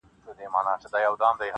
نه وي عشق کي دوې هواوي او یو بامه,